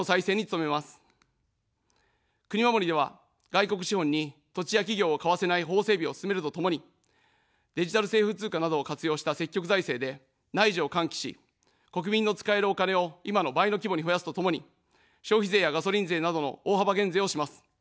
国まもりでは、外国資本に土地や企業を買わせない法整備を進めるとともに、デジタル政府通貨などを活用した積極財政で内需を喚起し、国民の使えるお金を今の倍の規模に増やすとともに、消費税やガソリン税などの大幅減税をします。